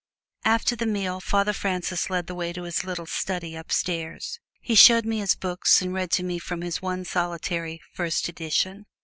After the meal, Father Francis led the way to his little study upstairs. He showed me his books and read to me from his one solitary "First Edition."